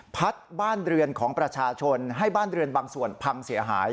พัดบ้านเรือนของประชาชนให้บ้านเรือนบางส่วนพังเสียหาย